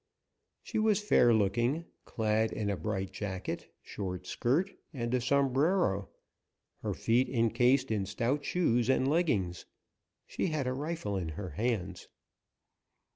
She was fair looking, clad in a bright jacket, short skirt and a sombrero, her feet incased in stout shoes and leggings. She had a rifle in her hands.